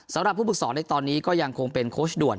สำหรับผู้ฝึกสอนในตอนนี้ก็ยังคงเป็นโค้ชด่วน